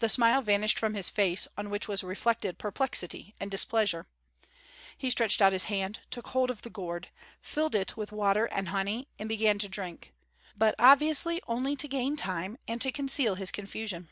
The smile vanished from his face, on which was reflected perplexity and displeasure. He stretched out his hand, took hold of the gourd, filled it with water and honey, and began to drink, but obviously only to gain time and to conceal his confusion.